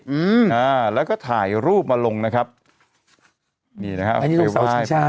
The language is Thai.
อืมอ่าแล้วก็ถ่ายรูปมาลงนะครับนี่นะฮะอันนี้สาวใช่